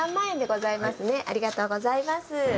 ありがとうございます。